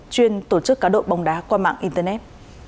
chuyên tổ chức cá độ bóng đá qua mạng internet